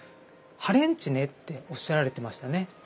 ハレンチねっておっしゃられてましたね